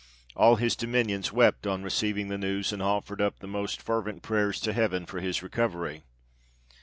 All his dominions wept on receiving the news, and offered up the most fervent prayers to heaven for his recovery.